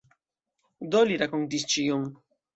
Do li rakontis ĉion.